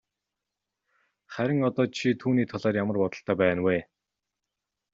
Харин одоо чи түүний талаар ямар бодолтой байна вэ?